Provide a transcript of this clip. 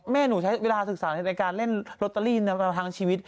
หนูใช้เวลาศึกษาในการเล่นโรตเตอรี่ในทางชีวิต